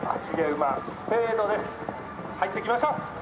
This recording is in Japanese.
入ってきました。